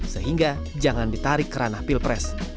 sehingga jangan ditarik kerana pilpres